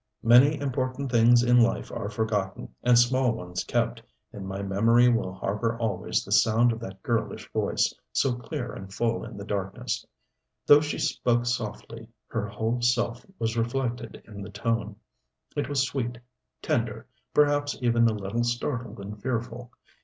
Many important things in life are forgotten, and small ones kept; and my memory will harbor always the sound of that girlish voice, so clear and full in the darkness. Though she spoke softly her whole self was reflected in the tone. It was sweet, tender, perhaps even a little startled and fearful.